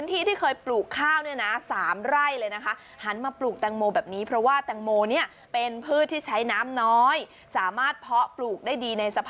ใหม่เอาใหม่เอาใหม่เอาใหม่เอาใหม่เอาใหม่เอาใหม่เอาใหม่เอาใหม่